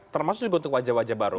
termasuk juga untuk wajah wajah baru